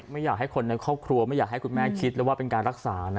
ไม่อยากให้คนในครอบครัวไม่อยากให้คุณแม่คิดเลยว่าเป็นการรักษานะ